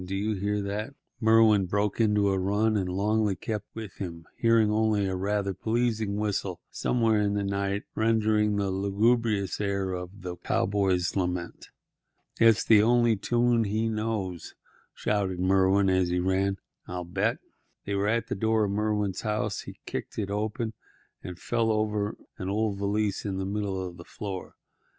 do you hear that?" Merwin broke into a run, and Longley kept with him, hearing only a rather pleasing whistle somewhere in the night rendering the lugubrious air of "The Cowboy's Lament." "It's the only tune he knows," shouted Merwin, as he ran. "I'll bet—" They were at the door of Merwin's house. He kicked it open and fell over an old valise lying in the middle of the floor.